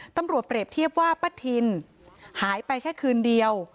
เปรียบเทียบว่าป้าทินหายไปแค่คืนเดียว